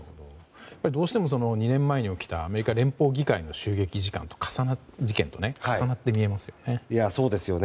どうしても２年前に起きたアメリカ連邦議会の襲撃事件と重なって見えますよね。